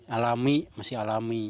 alami masih alami